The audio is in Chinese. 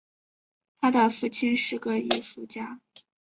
他的父亲是个艺术家。